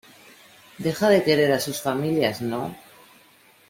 deja de querer a sus familias, ¿ no?